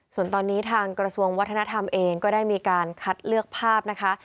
ส่วนตอนนี้ทางกระทรวงวัฒนธรรมเองก็ได้มีการคัดเลือกภาพนะคะ